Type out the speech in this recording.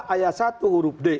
delapan puluh dua ayat satu huruf d